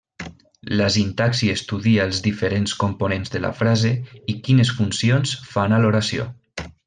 La sintaxi estudia els diferents components de la frase i quines funcions fan a l'oració.